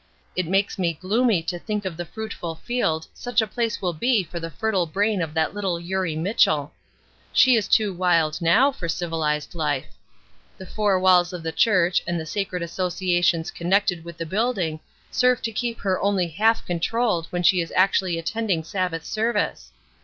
It makes me gloomy to think of the fruitful field such a place will be for the fertile brain of that little Eurie Mitchell. She is too wild now for civilized life The four walls of the church and the sacred associations connected with the building serve to keep her only half controlled when she is actually attending Sabbath service.